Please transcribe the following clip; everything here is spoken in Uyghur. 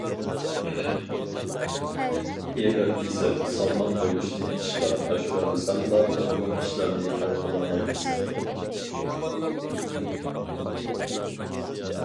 ئېغىر- بېسىق، سالماق بولۇشنى ئىشقا ئاشۇرالىساقلا نۇرغۇن ئىشلارنى ھەل قىلالايمىز.